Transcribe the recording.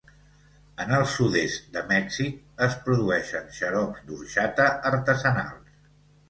En el sud-est de Mèxic es produeixen xarops d'orxata artesanals.